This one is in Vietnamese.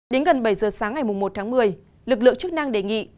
đến gần bảy giờ sáng ngày một tháng một mươi lực lượng chức năng đề nghị